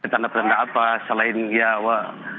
tanda tanda apa selain ya wah